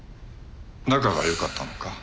仲が良かったのか？